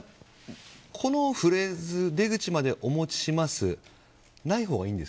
このフレーズ出口までお持ちしますうん。